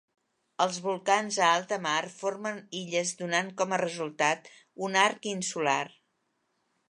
Els volcans a alta mar formen illes donant com a resultat un arc insular.